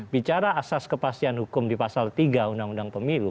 bicara asas kepastian hukum di pasal tiga undang undang pemilu